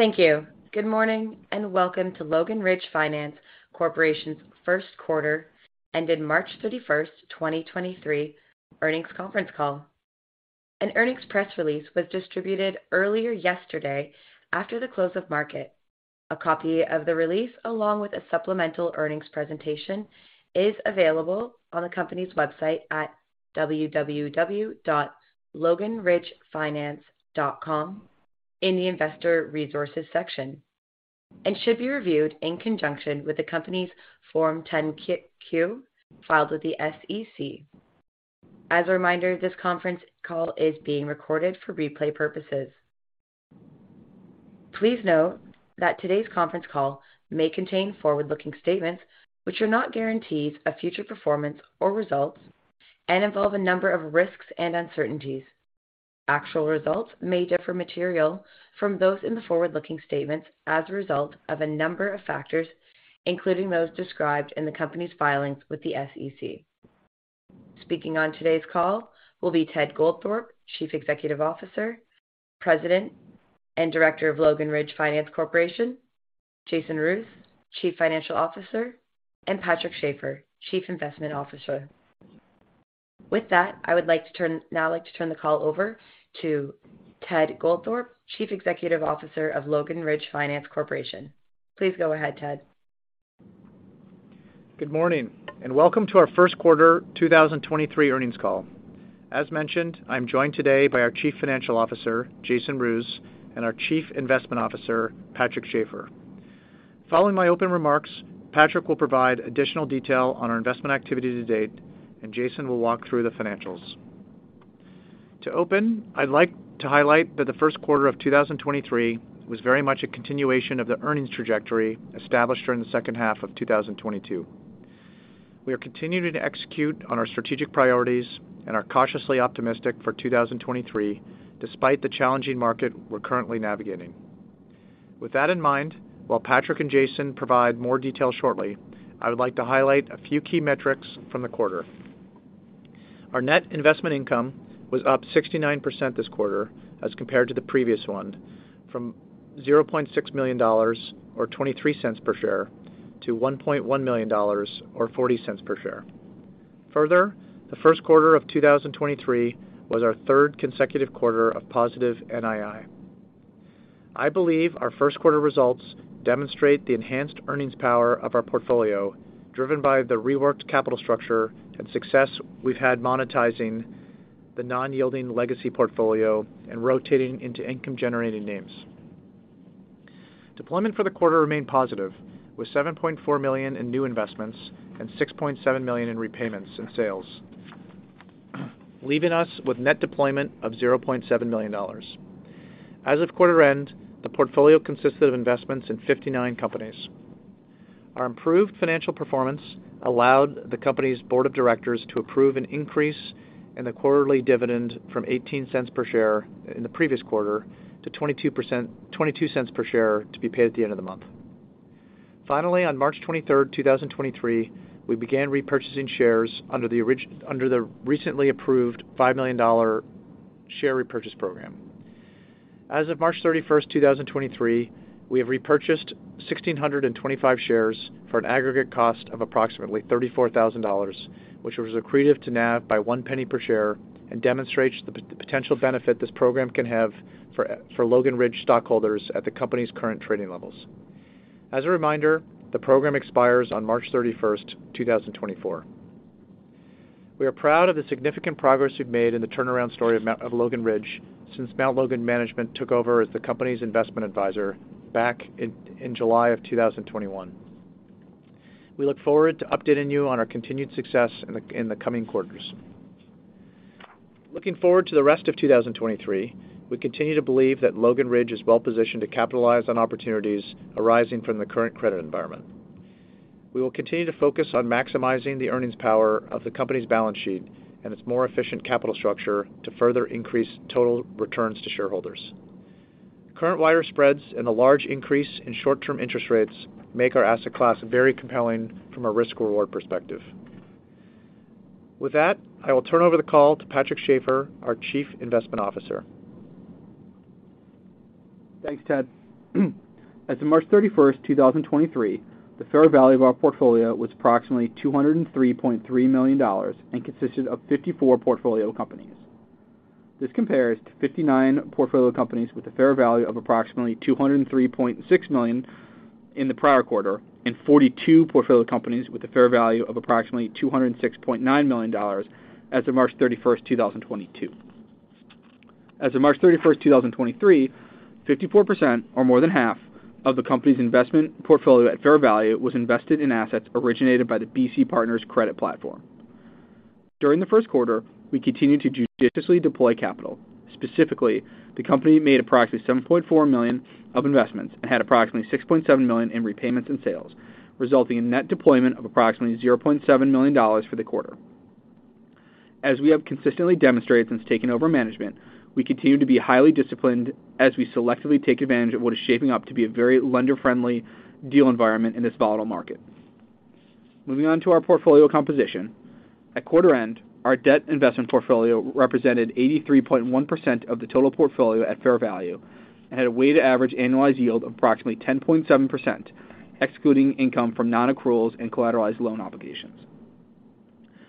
Thank you. Good morning, and welcome to Logan Ridge Finance Corporation's first quarter ended March thirty-first, 2023 earnings conference call. An earnings press release was distributed earlier yesterday after the close of market. A copy of the release, along with a supplemental earnings presentation, is available on the company's website at www.loganridge.com in the investor resources section and should be reviewed in conjunction with the company's Form 10-Q filed with the SEC. As a reminder, this conference call is being recorded for replay purposes. Please note that today's conference call may contain forward-looking statements which are not guarantees of future performance or results and involve a number of risks and uncertainties. Actual results may differ material from those in the forward-looking statements as a result of a number of factors, including those described in the company's filings with the SEC. Speaking on today's call will be Ted Goldthorpe, Chief Executive Officer, President, and Director of Logan Ridge Finance Corporation, Jason Roos, Chief Financial Officer, and Patrick Schafer, Chief Investment Officer. With that, I would now like to turn the call over to Ted Goldthorpe, Chief Executive Officer of Logan Ridge Finance Corporation. Please go ahead, Ted. Good morning, and welcome to our first quarter 2023 earnings call. As mentioned, I'm joined today by our Chief Financial Officer, Jason Roos, and our Chief Investment Officer, Patrick Schafer. Following my open remarks, Patrick will provide additional detail on our investment activity to date, and Jason will walk through the financials. To open, I'd like to highlight that the first quarter of 2023 was very much a continuation of the earnings trajectory established during the second half of 2022. We are continuing to execute on our strategic priorities and are cautiously optimistic for 2023 despite the challenging market we're currently navigating. With that in mind, while Patrick and Jason provide more detail shortly, I would like to highlight a few key metrics from the quarter. Our net investment income was up 69% this quarter as compared to the previous one, from $0.6 million or $0.23 per share to $1.1 million or $0.40 per share. Further, the first quarter of 2023 was our third consecutive quarter of positive NII. I believe our first quarter results demonstrate the enhanced earnings power of our portfolio, driven by the reworked capital structure and success we've had monetizing the non-yielding legacy portfolio and rotating into income-generating names. Deployment for the quarter remained positive, with $7.4 million in new investments and $6.7 million in repayments and sales, leaving us with net deployment of $0.7 million. As of quarter end, the portfolio consisted of investments in 59 companies. Our improved financial performance allowed the company's board of directors to approve an increase in the quarterly dividend from $0.18 per share in the previous quarter to $0.22 per share to be paid at the end of the month. Finally, on March 23, 2023, we began repurchasing shares under the recently approved $5 million share repurchase program. As of March 31, 2023, we have repurchased 1,625 shares for an aggregate cost of approximately $34,000, which was accretive to NAV by $0.01 per share and demonstrates the potential benefit this program can have for Logan Ridge stockholders at the company's current trading levels. As a reminder, the program expires on March 31, 2024. We are proud of the significant progress we've made in the turnaround story of Logan Ridge since Mount Logan Management took over as the company's investment advisor back in July of 2021. We look forward to updating you on our continued success in the coming quarters. Looking forward to the rest of 2023, we continue to believe that Logan Ridge is well-positioned to capitalize on opportunities arising from the current credit environment. We will continue to focus on maximizing the earnings power of the company's balance sheet and its more efficient capital structure to further increase total returns to shareholders. Current wider spreads and a large increase in short-term interest rates make our asset class very compelling from a risk-reward perspective. With that, I will turn over the call to Patrick Schafer, our Chief Investment Officer. Thanks, Ted. As of March 31st, 2023, the fair value of our portfolio was approximately $203.3 million and consisted of 54 portfolio companies. This compares to 59 portfolio companies with a fair value of approximately $203.6 million in the prior quarter and 42 portfolio companies with a fair value of approximately $206.9 million as of March 31st, 2022. As of March 31st, 2023, 54% or more than half of the company's investment portfolio at fair value was invested in assets originated by the BC Partners credit platform. During the first quarter, we continued to judiciously deploy capital. Specifically, the company made approximately $7.4 million of investments and had approximately $6.7 million in repayments and sales, resulting in net deployment of approximately $0.7 million for the quarter. As we have consistently demonstrated since taking over management, we continue to be highly disciplined as we selectively take advantage of what is shaping up to be a very lender-friendly deal environment in this volatile market. Moving on to our portfolio composition. At quarter end, our debt investment portfolio represented 83.1% of the total portfolio at fair value and had a weighted average annualized yield of approximately 10.7%, excluding income from non-accruals and collateralized loan obligations.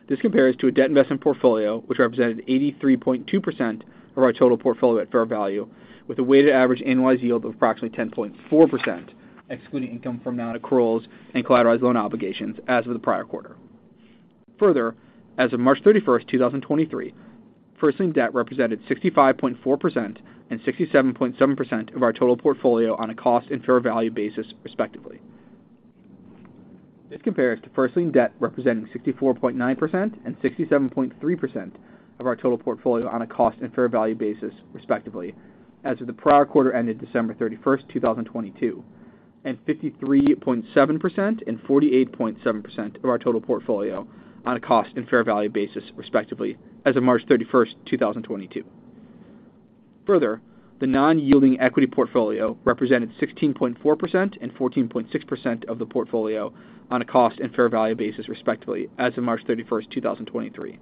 This compares to a debt investment portfolio which represented 83.2% of our total portfolio at fair value with a weighted average annualized yield of approximately 10.4%, excluding income from non-accruals and collateralized loan obligations as of the prior quarter. Further, as of March 31, 2023, first lien debt represented 65.4% and 67.7% of our total portfolio on a cost and fair value basis, respectively. This compares to first lien debt representing 64.9% and 67.3% of our total portfolio on a cost and fair value basis, respectively, as of the prior quarter ended December 31, 2022, and 53.7% and 48.7% of our total portfolio on a cost and fair value basis, respectively, as of March 31, 2022. The non-yielding equity portfolio represented 16.4% and 14.6% of the portfolio on a cost and fair value basis, respectively, as of March 31, 2023.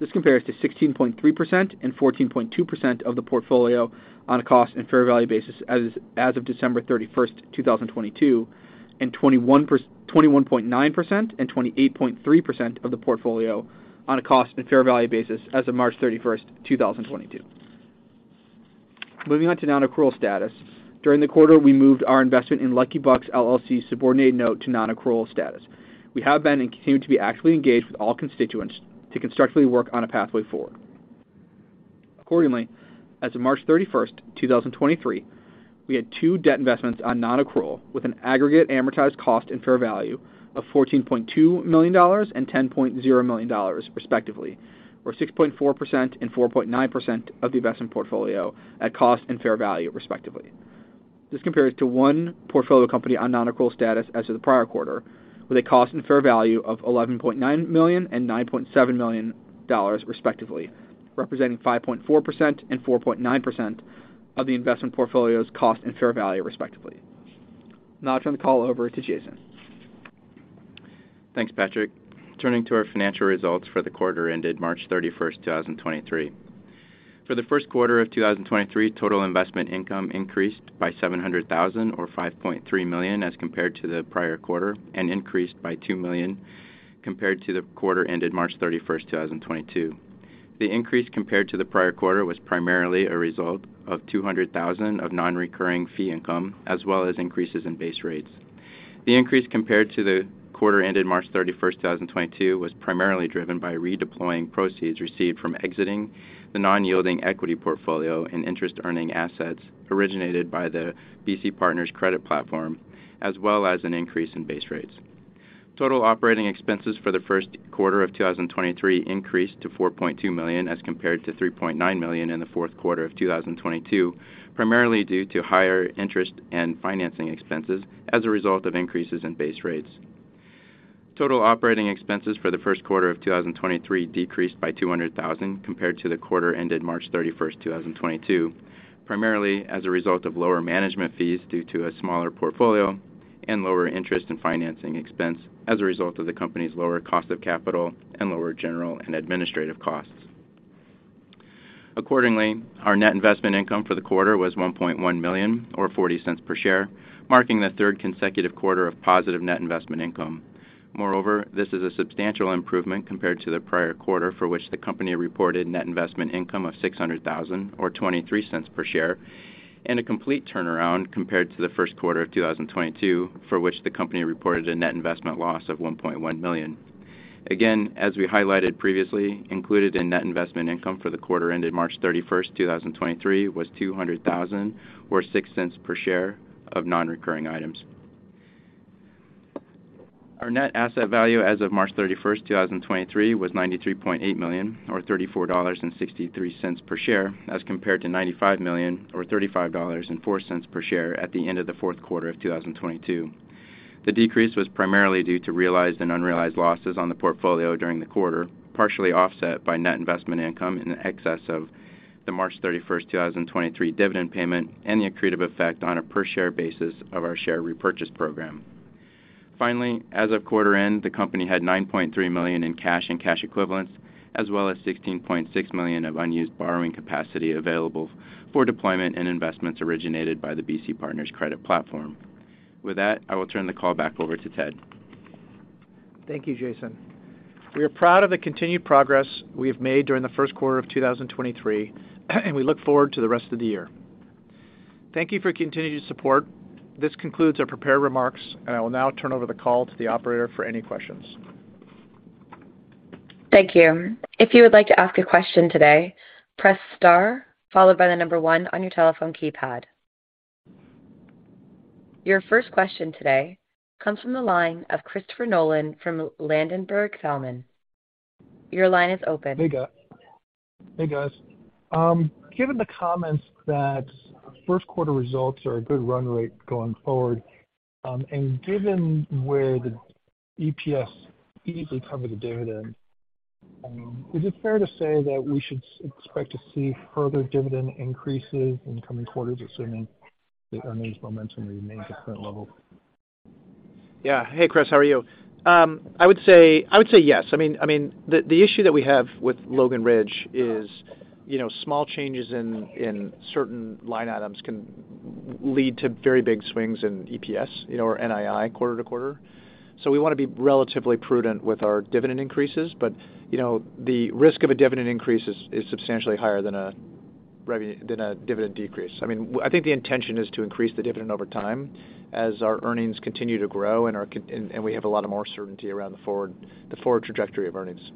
This compares to 16.3% and 14.2% of the portfolio on a cost and fair value basis as of December 31, 2022, and 21.9% and 28.3% of the portfolio on a cost and fair value basis as of March 31, 2022. Moving on to non-accrual status. During the quarter, we moved our investment in Lucky Bucks, LLC subordinated note to non-accrual status. We have been and continue to be actively engaged with all constituents to constructively work on a pathway forward. Accordingly, as of March 31, 2023, we had two debt investments on non-accrual with an aggregate amortized cost and fair value of $14.2 million and $10.0 million, respectively, or 6.4% and 4.9% of the investment portfolio at cost and fair value, respectively. This compares to one portfolio company on non-accrual status as of the prior quarter, with a cost and fair value of $11.9 million and $9.7 million, respectively, representing 5.4% and 4.9% of the investment portfolio's cost and fair value, respectively. I turn the call over to Jason. Thanks, Patrick. Turning to our financial results for the quarter ended March 31, 2023. For Q1 2023, total investment income increased by $700,000 or $5.3 million as compared to the prior quarter and increased by $2 million compared to the quarter ended March 31, 2022. The increase compared to the prior quarter was primarily a result of $200,000 of non-recurring fee income as well as increases in base rates. The increase compared to the quarter ended March 31, 2022, was primarily driven by redeploying proceeds received from exiting the non-yielding equity portfolio and interest earning assets originated by the BC Partners credit platform, as well as an increase in base rates. Total operating expenses for the first quarter of 2023 increased to $4.2 million as compared to $3.9 million in the fourth quarter of 2022, primarily due to higher interest and financing expenses as a result of increases in base rates. Total operating expenses for the first quarter of 2023 decreased by $200,000 compared to the quarter ended March 31, 2022, primarily as a result of lower management fees due to a smaller portfolio and lower interest and financing expense as a result of the company's lower cost of capital and lower general and administrative costs. Our net investment income for the quarter was $1.1 million or $0.40 per share, marking the third consecutive quarter of positive net investment income. This is a substantial improvement compared to the prior quarter for which the company reported net investment income of $600,000 or $0.23 per share, and a complete turnaround compared to the first quarter of 2022, for which the company reported a net investment loss of $1.1 million. As we highlighted previously, included in net investment income for the quarter ended March 31, 2023, was $200,000 or $0.06 per share of non-recurring items. Our net asset value as of March 31, 2023, was $93.8 million or $34.63 per share as compared to $95 million or $35.04 per share at the end of the fourth quarter of 2022. The decrease was primarily due to realized and unrealized losses on the portfolio during the quarter, partially offset by net investment income in excess of the March 31st, 2023 dividend payment and the accretive effect on a per share basis of our share repurchase program. As of quarter end, the company had $9.3 million in cash and cash equivalents, as well as $16.6 million of unused borrowing capacity available for deployment and investments originated by the BC Partners credit platform. With that, I will turn the call back over to Ted. Thank you, Jason. We are proud of the continued progress we have made during the first quarter of 2023, and we look forward to the rest of the year. Thank you for your continued support. This concludes our prepared remarks. I will now turn over the call to the operator for any questions. Thank you. If you would like to ask a question today, press star followed by the number one on your telephone keypad. Your first question today comes from the line of Christopher Nolan from Ladenburg Thalmann. Your line is open. Hey, guys. Given the comments that first quarter results are a good run rate going forward, and given where the EPS easily cover the dividend, is it fair to say that we should expect to see further dividend increases in the coming quarters, assuming the earnings momentum remain at current level? Yeah. Hey, Chris, how are you? I would say yes. I mean, the issue that we have with Logan Ridge is, you know, small changes in certain line items can lead to very big swings in EPS, you know, or NII quarter to quarter. We wanna be relatively prudent with our dividend increases. You know, the risk of a dividend increase is substantially higher than a dividend decrease. I mean, I think the intention is to increase the dividend over time as our earnings continue to grow and we have a lot of more certainty around the forward trajectory of earnings.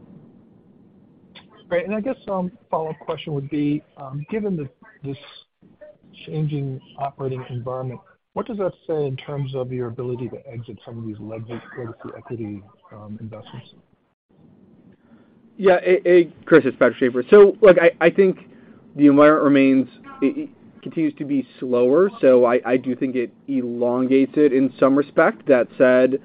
Great. I guess, follow-up question would be, given this changing operating environment, what does that say in terms of your ability to exit some of these legacy equity investments? Yeah. Chris, it's Patrick Schafer. Look, I think the environment remains. It continues to be slower, so I do think it elongates it in some respect. That said,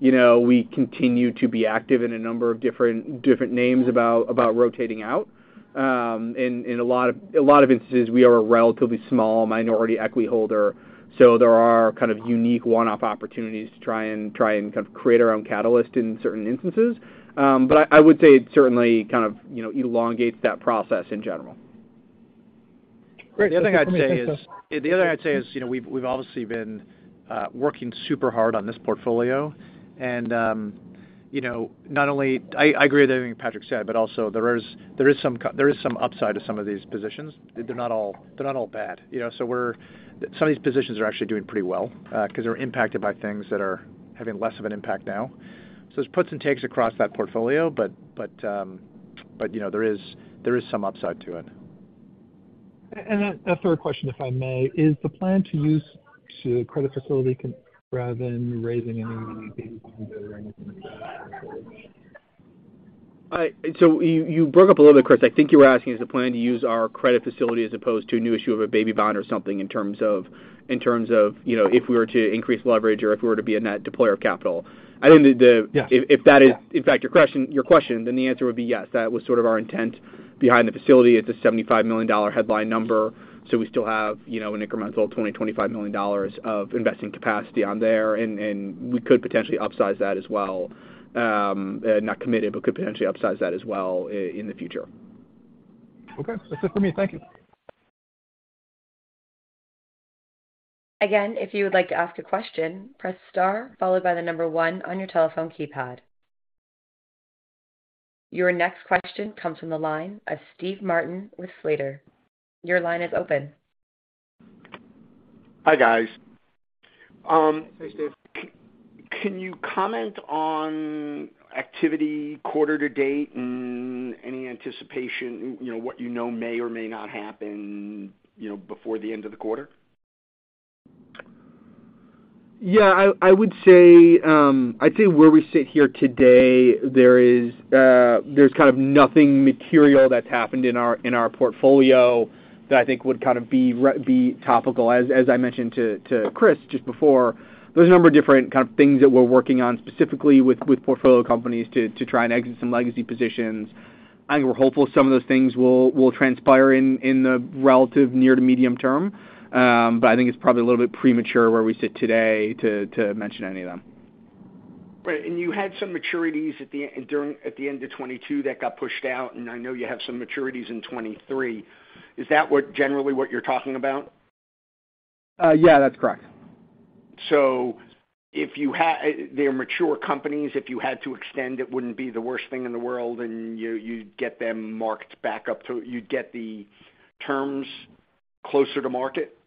you know, we continue to be active in a number of different names about rotating out. In a lot of instances, we are a relatively small minority equity holder, so there are kind of unique one-off opportunities to try and kind of create our own catalyst in certain instances. But I would say it certainly kind of, you know, elongates that process in general. Great. Let me just, the other thing I'd say is, you know, we've obviously been working super hard on this portfolio. You know, not only I agree with everything Patrick said, but also there is some upside to some of these positions. They're not all bad, you know. We're. Some of these positions are actually doing pretty well, 'cause they're impacted by things that are having less of an impact now. There's puts and takes across that portfolio. You know, there is some upside to it. A third question, if I may. Is the plan to use credit facility rather than raising any baby bond or anything like that? You broke up a little bit, Chris. I think you were asking, is the plan to use our credit facility as opposed to a new issue of a baby bond or something in terms of, you know, if we were to increase leverage or if we were to be a net deployer of capital? I think. Yes. If that is, in fact, your question, then the answer would be yes. That was sort of our intent behind the facility. It's a $75 million headline number, so we still have, you know, an incremental $20 million-$25 million of investing capacity on there. We could potentially upsize that as well. Not committed, but could potentially upsize that as well in the future. Okay. That's it for me. Thank you. If you would like to ask a question, press star followed by one on your telephone keypad. Your next question comes from the line of Steve Martin with Slater. Your line is open. Hi, guys. Hi, Steve. Can you comment on activity quarter to date and any anticipation, you know, what you know may or may not happen, you know, before the end of the quarter? Yeah. I would say where we sit here today, there's kind of nothing material that's happened in our portfolio that I think would kind of be topical. As I mentioned to Chris just before, there's a number of different kind of things that we're working on specifically with portfolio companies to try and exit some legacy positions. I think we're hopeful some of those things will transpire in the relative near to medium term. I think it's probably a little bit premature where we sit today to mention any of them. Right. you had some maturities at the end of 2022 that got pushed out, and I know you have some maturities in 2023. Is that what, generally what you're talking about? Yeah, that's correct. They're mature companies. If you had to extend, it wouldn't be the worst thing in the world and you'd get them marked back up to... You'd get the terms closer to market?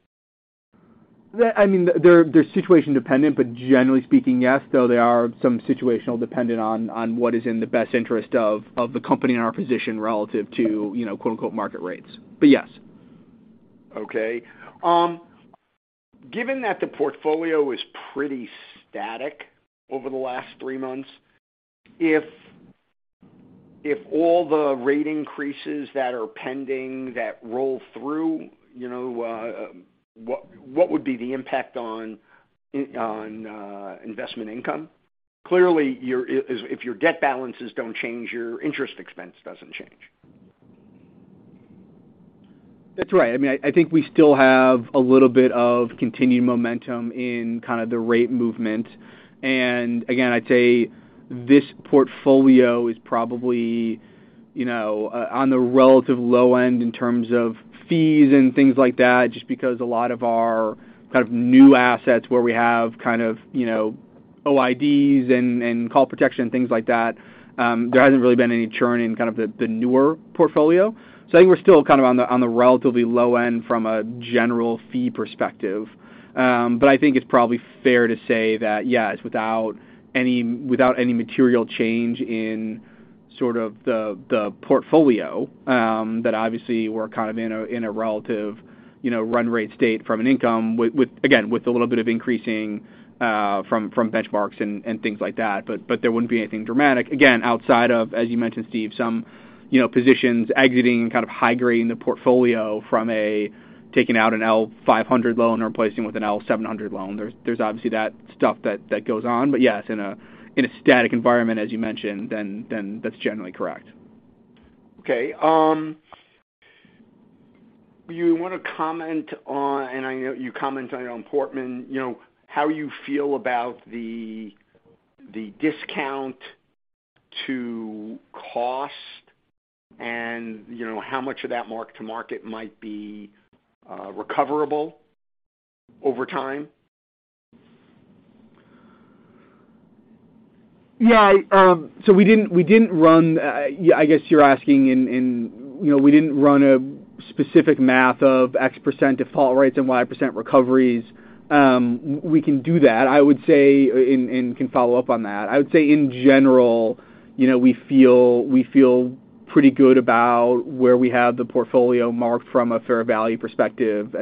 I mean, they're situation dependent, but generally speaking, yes, though they are some situational dependent on what is in the best interest of the company and our position relative to, you know, quote, unquote, "market rates." Yes. Okay. Given that the portfolio is pretty static over the last three months, if all the rate increases that are pending that roll through, you know, what would be the impact on investment income? Clearly, if your debt balances don't change, your interest expense doesn't change. That's right. I mean, I think we still have a little bit of continued momentum in kind of the rate movement. Again, I'd say this portfolio is probably, you know, on the relative low end in terms of fees and things like that, just because a lot of our kind of new assets where we have kind of, you know, OIDs and call protection, things like that, there hasn't really been any churn in kind of the newer portfolio. I think we're still kind of on the relatively low end from a general fee perspective. I think it's probably fair to say that, yes, without any, without any material change in sort of the portfolio, that obviously we're kind of in a, in a relative, you know, run rate state from an income with, again, with a little bit of increasing from benchmarks and things like that. There wouldn't be anything dramatic, again, outside of, as you mentioned, Steve, some, you know, positions exiting, kind of high grading the portfolio from a taking out an L+500 loan and replacing with an L+700 loan. There's obviously that stuff that goes on. Yes, in a static environment, as you mentioned, then that's generally correct. Okay, do you wanna comment on... I know you commented on Portman, you know, how you feel about the discount to cost and, you know, how much of that mark to market might be recoverable over time? Yeah, we didn't run. Yeah, I guess you're asking in, you know, we didn't run a specific math of X% default rates and Y% recoveries. We can do that. I would say, and can follow up on that. I would say in general, you know, we feel pretty good about where we have the portfolio marked from a fair value perspective.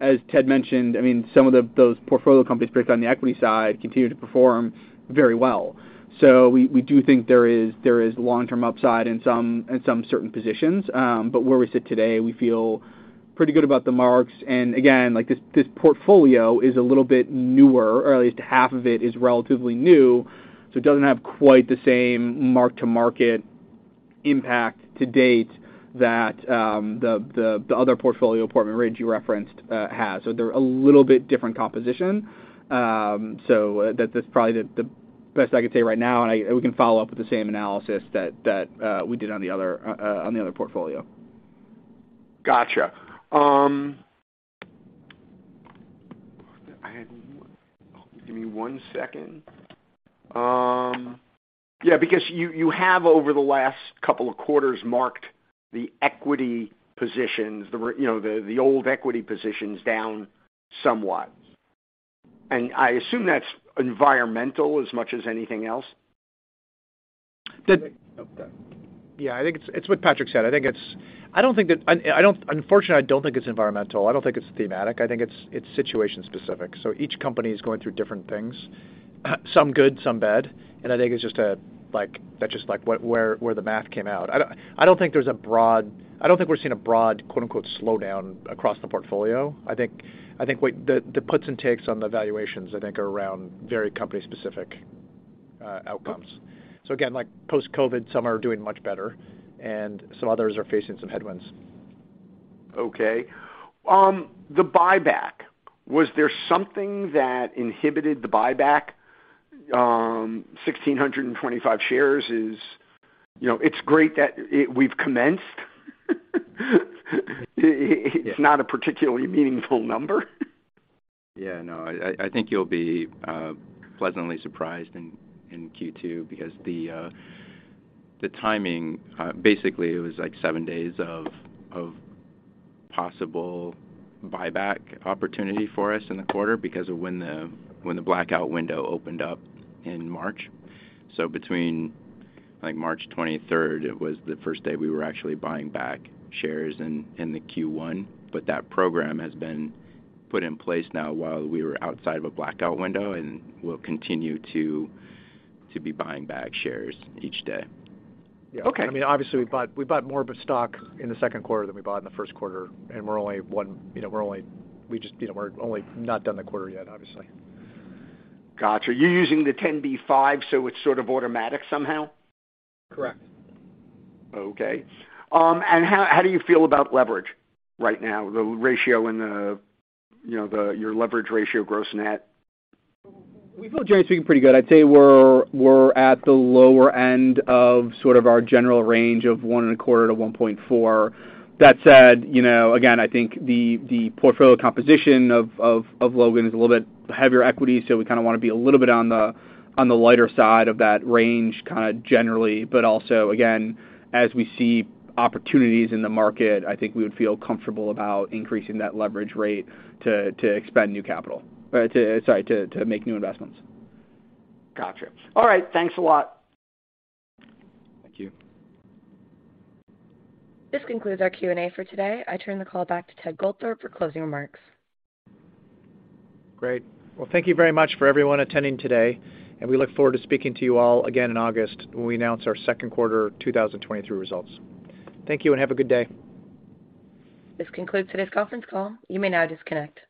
As Ted mentioned, I mean, some of those portfolio companies based on the equity side continue to perform very well. We do think there is long-term upside in some certain positions. Where we sit today, we feel pretty good about the marks. Again, like, this portfolio is a little bit newer, or at least half of it is relatively new, so it doesn't have quite the same mark to market impact to date that the other portfolio Portman Ridge you referenced has. That's probably the best I can say right now, and we can follow up with the same analysis that we did on the other portfolio. Gotcha. Give me one second. because you have over the last couple of quarters marked the equity positions, you know, the old equity positions down somewhat. I assume that's environmental as much as anything else. The- Yeah, I think it's what Patrick said. I think it's. I don't think that. I don't, unfortunately, think it's environmental. I don't think it's thematic. I think it's situation specific. Each company is going through different things, some good, some bad. I think it's just a, like, that's just, like, what, where the math came out. I don't think there's a broad. I don't think we're seeing a broad, quote, unquote, "slowdown" across the portfolio. I think what the puts and takes on the valuations, I think are around very company specific outcomes. Again, like post-COVID, some are doing much better and some others are facing some headwinds. Okay. The buyback. Was there something that inhibited the buyback? 1,625 shares is, you know, it's great that we've commenced. It's not a particularly meaningful number. Yeah, no, I think you'll be pleasantly surprised in Q2 because the timing, basically it was like seven days of possible buyback opportunity for us in the quarter because of when the, when the blackout window opened up in March. Between, like, March 23rd, it was the first day we were actually buying back shares in the Q1. That program has been put in place now while we were outside of a blackout window and we'll continue to be buying back shares each day. Okay. I mean, obviously we bought more of a stock in the second quarter than we bought in the first quarter, you know, we're only not done the quarter yet, obviously. Gotcha. You're using the 10b-5, so it's sort of automatic somehow? Correct. Okay. how do you feel about leverage right now, the ratio and you know, your leverage ratio gross net? We feel generally speaking pretty good. I'd say we're at the lower end of sort of our general range of 1.25-1.4. That said, you know, again, I think the portfolio composition of Logan is a little bit heavier equity, so we kinda wanna be a little bit on the lighter side of that range kinda generally, but also, again, as we see opportunities in the market, I think we would feel comfortable about increasing that leverage rate to expend new capital. Sorry, to make new investments. Gotcha. All right. Thanks a lot. Thank you. This concludes our Q&A for today. I turn the call back to Ted Goldthorpe for closing remarks. Great. Well, thank you very much for everyone attending today. We look forward to speaking to you all again in August when we announce our second quarter 2023 results. Thank you. Have a good day. This concludes today's conference call. You may now disconnect.